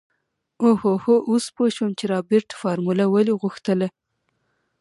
اوهوهو اوس پو شوم چې رابرټ فارموله ولې غوښتله.